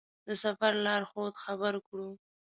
د سفر لارښود خبر کړو.